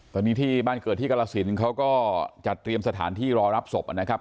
ตอนนี้ที่บ้านเกิดที่กรสินเขาก็จัดเตรียมสถานที่รอรับศพนะครับ